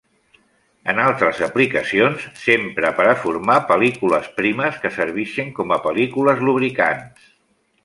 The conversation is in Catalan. Entre altres aplicacions, s'empra per a formar pel·lícules primes que servixen com a pel·lícules lubricants.